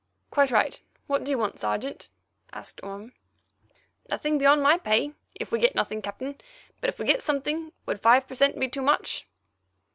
"Quite right. What do you want, Sergeant?" asked Orme. "Nothing beyond my pay, if we get nothing, Captain, but if we get something, would five per cent. be too much?"